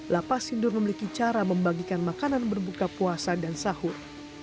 lapas sindur memiliki cara membagikan makanan berbuka puasa dan sahur